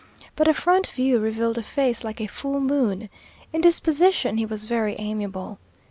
But a front view revealed a face like a full moon. In disposition he was very amiable.